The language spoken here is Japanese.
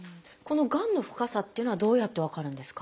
がんの深さっていうのはどうやって分かるんですか？